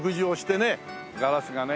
ガラスがね